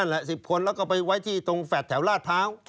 นั่นแหละ๑๐คนแล้วก็ไปไว้ที่ตรงแฟดแถวราชเภา